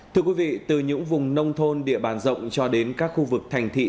thưa quý vị từ những vùng nông thôn địa bàn rộng cho đến các khu vực thành thị